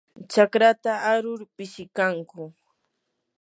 chakrata arur pishikarquu.